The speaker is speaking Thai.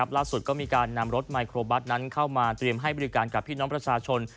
ล่าสุดก็มีการนำรถไมโครบัสนั้นเข้ามาเตรียมให้บริการกับพี่น้องประชาชน